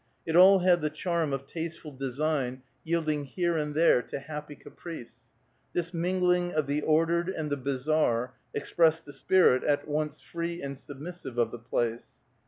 It all had the charm of tasteful design yielding here and there to happy caprice; this mingling of the ordered and the bizarre, expressed the spirit, at once free and submissive, of the place.